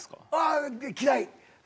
嫌い。